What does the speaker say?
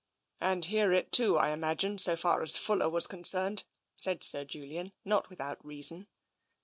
" And hear it too, I imagine, so far as Fuller was concerned," said Sir Julian, not without reason.